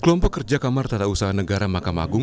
kelompok kerja kamar tata usaha negara mahkamah agung